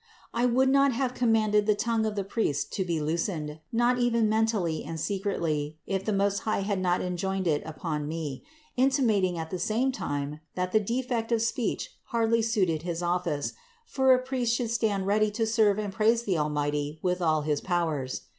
I would not have commanded the tongue of the priest to be loosened, not even mentally and secretly, if the Most High had not enjoined it upon me, intimating at the same time, that the defect of speech hardly suited his office, for a priest should stand ready to serve and praise the Almighty with all his powers.